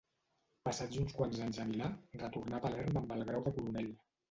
Passats uns quants anys a Milà, retornà a Palerm amb el grau de coronel.